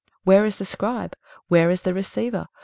Where is the scribe? where is the receiver?